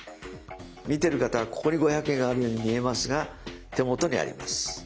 見てる方はここに五百円があるように見えますが手元にあります。